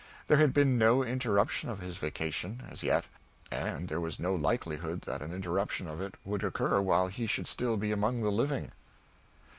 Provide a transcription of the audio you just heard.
There had been no interruption of his vacation, as yet, and there was no likelihood that an interruption of it would occur while he should still be among the living.